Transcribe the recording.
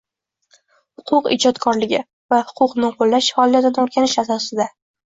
Huquq ijodkorligi va huquqni qo‘llash faoliyatini o‘rganish asosida